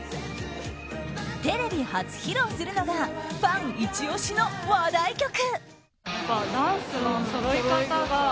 テレビ初披露するのがファンイチ押しの話題曲。